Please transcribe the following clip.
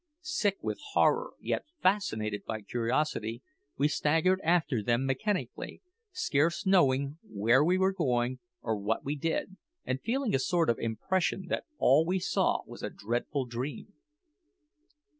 Sick with horror, yet fascinated by curiosity, we staggered after them mechanically, scarce knowing where we were going or what we did, and feeling a sort of impression that all we saw was a dreadful dream.